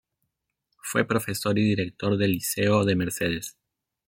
Fue profesor y director del Liceo de Mercedes.